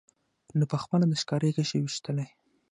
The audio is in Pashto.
نن پخپله د ښکاري غشي ویشتلی